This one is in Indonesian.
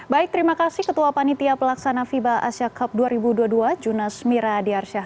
baik terima kasih ketua panitia pelaksana fiba asia cup dua ribu dua puluh dua junas mira adi arsyah